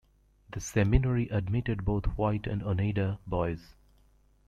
The seminary admitted both white and Oneida boys.